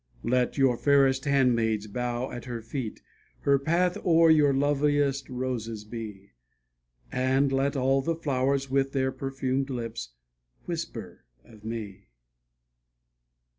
Let your fairest handmaids bow at her feet, Her path o'er your loveliest roses be; And let all the flowers with their perfumed lips Whisper of me of me.